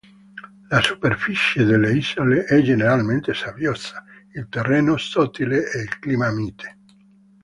La superficie delle isole è generalmente sabbiosa, il terreno sottile e il clima mite.